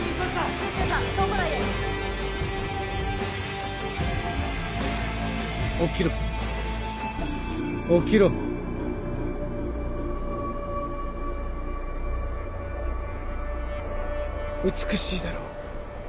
・救急車倉庫内へ起きろ起きろ美しいだろう